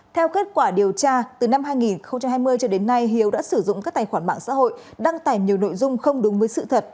theo kết quả điều tra từ năm hai nghìn hai mươi cho đến nay hiếu đã sử dụng các tài khoản mạng xã hội đăng tải nhiều nội dung không đúng với sự thật